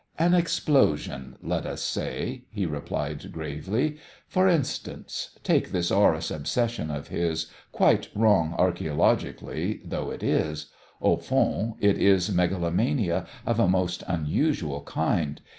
"An explosion, let us say," he replied gravely. "For instance, take this Horus obsession of his, quite wrong archæologically though it is. Au fond it is megalomania of a most unusual kind.